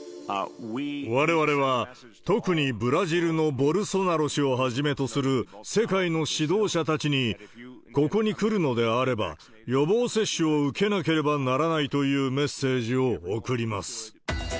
われわれは特にブラジルのボルソナロ氏をはじめとする世界の指導者たちに、ここに来るのであれば、予防接種を受けなければならないというメッセージを送ります。